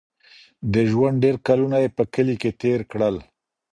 د ژوند ډېر کلونه یې په کلي کې تېر کړل.